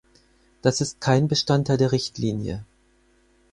Das ist kein Bestandteil der Richtlinie.